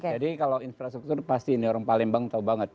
jadi kalau infrastruktur pasti ini orang palembang tahu banget